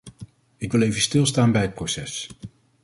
Ik wil even stilstaan bij het proces.